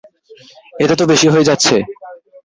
এটা তো বেশি হয়ে যাচ্ছে!